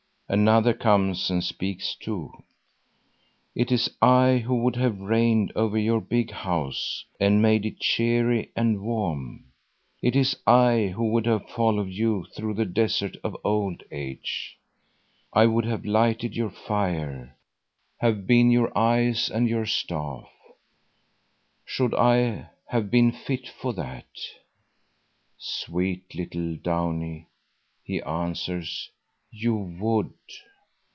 Another comes and speaks too: "It is I who would have reigned over your big house and made it cheery and warm. It is I who would have followed you through the desert of old age. I would have lighted your fire, have been your eyes and your staff. Should I have been fit for that?" "Sweet little Downie," he answers, "you would."